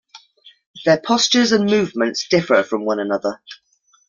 Their postures and movements differ from one another.